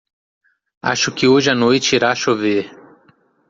Acho que hoje a noite irá chover